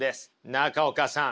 中岡さん。